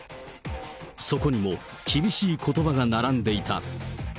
そこにも厳しいことばが並んでいた。